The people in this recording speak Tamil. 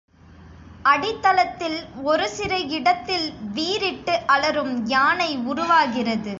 அடித்தளத்தில் ஒரு சிறு இடத்தில் வீறிட்டு அலறும் யானை உருவாகிறது.